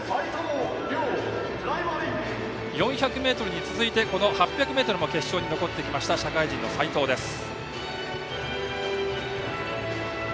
４００ｍに続いて８００も決勝に残ってきた社会人の齊藤です。